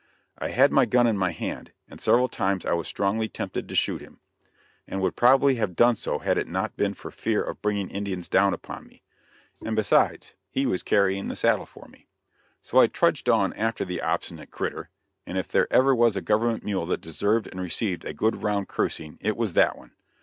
I had my gun in my hand, and several times I was strongly tempted to shoot him, and would probably have done so had it not been for fear of bringing Indians down upon me, and besides he was carrying the saddle for me. So I trudged on after the obstinate "critter," and if there ever was a government mule that deserved and received a good round cursing it was that one.